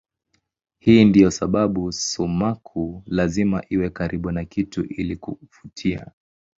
Hii ndiyo sababu sumaku lazima iwe karibu na kitu ili kuvutia.